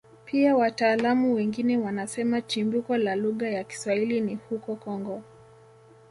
Pia wataalamu wengine wanasema chimbuko la lugha ya Kiswahili ni huko Kongo